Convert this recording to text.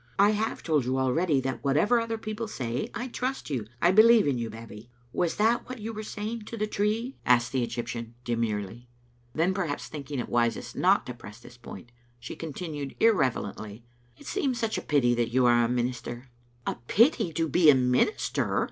" I have told you already that what ever other people say, I trust you. I believe in you, Babbie." " Was that what you were saying to the tree?" asked Digitized by VjOOQ IC 148 tCbe xmie Alnietet. the Egyptian, demurely. Then, perhaps thinking it wisest not to press this point, she continued irrelevantly, " It seems such a pity that you are a minister. " "A pity to be a minister!"